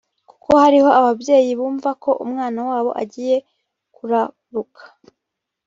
kuko hariho ababyeyi bumva ko umwana wabo agiye kuraruka